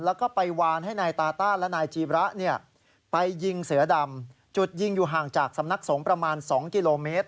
แล้วก็ไปวานให้นายตาต้าและนายจีระไปยิงเสือดำจุดยิงอยู่ห่างจากสำนักสงฆ์ประมาณ๒กิโลเมตร